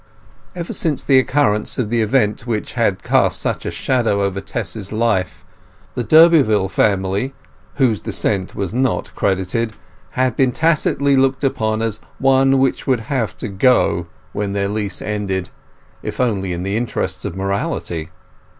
Ever since the occurrence of the event which had cast such a shadow over Tess's life, the Durbeyfield family (whose descent was not credited) had been tacitly looked on as one which would have to go when their lease ended, if only in the interests of morality.